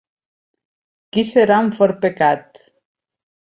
Qui serà en fort pecat.